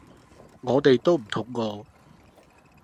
我哋都唔肚餓！